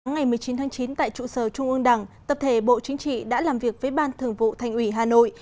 ngày một mươi chín tháng chín tại trụ sở trung ương đảng tập thể bộ chính trị đã làm việc với ban thường vụ thành ủy hà nội